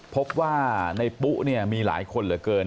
พบว่าในปุ๊เนี่ยมีหลายคนเหลือเกิน